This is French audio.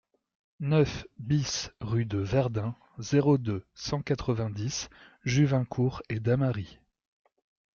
neuf BIS rue de Verdun, zéro deux, cent quatre-vingt-dix, Juvincourt-et-Damary